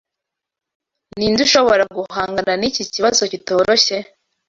Ninde ushobora guhangana niki kibazo kitoroshye?